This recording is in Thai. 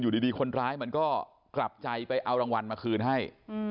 ดีคนร้ายมันก็กลับใจไปเอารางวัลมาคืนให้